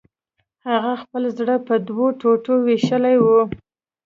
هغه خپل زړه په دوو ټوټو ویشلی و